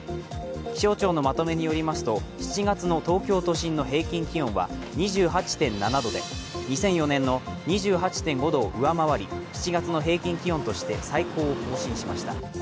気象庁のまとめによりますと、７月の東京都心の平均気温は２８．７度で、２００４年の２８．５度を上回り７月の平均気温として最高を更新しました。